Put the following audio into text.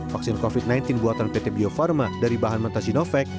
vaksin covid sembilan belas buatan pt bio farma dari bahan mentah sinovac